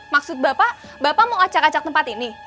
maksud bapak bapak mau acak acak tempat ini